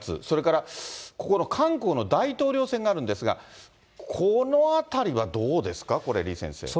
それからここの韓国の大統領選があるんですが、このあたりはどうですか、これ、李先生。